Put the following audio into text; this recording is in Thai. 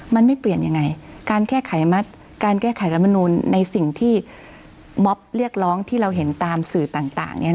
มันไม่เปลี่ยนยังไงการแก้ไขการแก้ไขรัฐมนูลในสิ่งที่มอบเรียกร้องที่เราเห็นตามสื่อต่าง